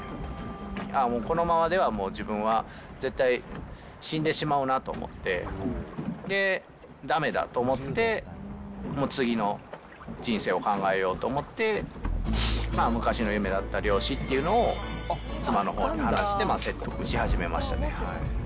もう、このままでは自分は絶対死んでしまうなと思って、で、だめだと思って、もう次の人生を考えようと思って、まあ、昔の夢だった漁師っていうのを、妻のほうに話して、説得し始めましたね。